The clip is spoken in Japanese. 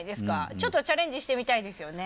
ちょっとチャレンジしてみたいですよね。